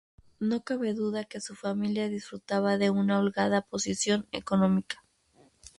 No cabe duda que su familia disfrutaba de una holgada posición económica.